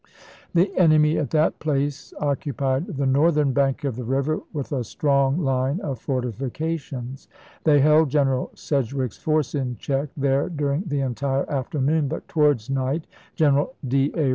The enemy at that place occupied the northern bank of the river with a strong line of fortifications. They held General Sedgwick's force in check there during the entire afternoon, but towards night General D. A.